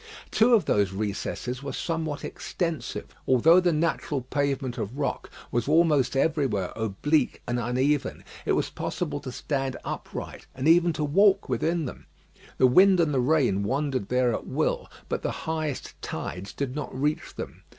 Two of those recesses were somewhat extensive. Although the natural pavement of rock was almost everywhere oblique and uneven it was possible to stand upright, and even to walk within them. The wind and the rain wandered there at will, but the highest tides did not reach them.